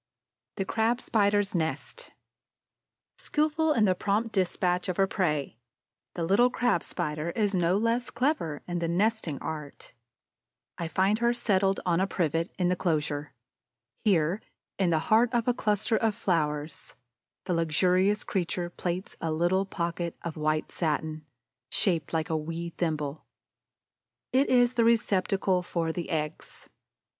THE CRAB SPIDER'S NEST Skillful in the prompt despatch of her prey, the little Crab spider is no less clever in the nesting art. I find her settled on a privet in the inclosure. Here, in the heart of a cluster of flowers, the luxurious creature plaits a little pocket of white satin, shaped like a wee thimble. It is the receptacle for the eggs.